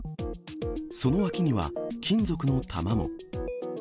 その脇には金属の弾も。